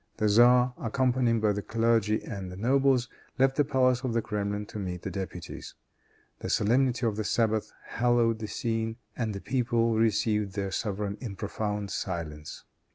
The czar, accompanied by the clergy and the nobles, left the palace of the Kremlin to meet the deputies. The solemnity of the Sabbath hallowed the scene, and the people received their sovereign in profound silence.